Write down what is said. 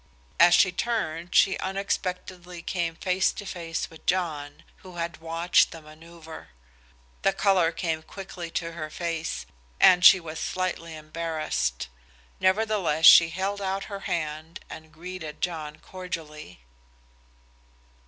As she turned she unexpectedly came face to face with John, who had watched the maneuver. The color came quickly to her face, and she was slightly embarrassed; nevertheless she held out her hand and greeted John cordially.